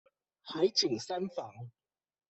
海景三房